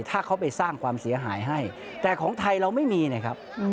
ถ้าเขาไปสร้างความเสียหายให้แต่ของไทยเราไม่มีนะครับ